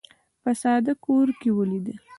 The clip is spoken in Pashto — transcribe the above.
په ساده کور کې ولید.